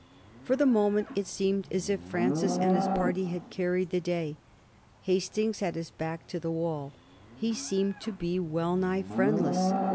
For the moment it seemed as if Francis and his party had carried the day. Hastings had his back to the wall, he seemed to be well nigh friendless.